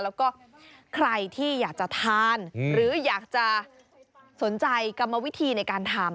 แล้วก็ใครที่อยากจะทานหรืออยากจะสนใจกรรมวิธีในการทำ